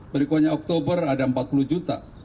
berikutnya oktober ada empat puluh juta